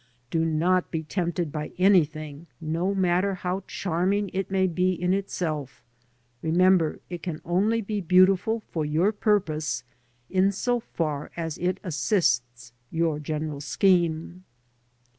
Do not be tempted by anything, no matter how charming it may be in itself; remember it can only be beautiful for your purpose in so far as it assists your general scheme.